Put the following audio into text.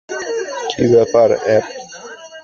কী ব্যাপার, অ্যাব?